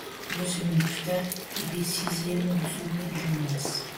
Deux semaines plus tard, il est sixième du Souvenir Jean-Masse.